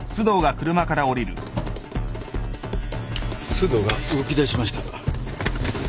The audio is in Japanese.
須藤が動きだしました。